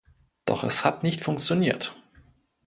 Doch es hat nicht funktioniert!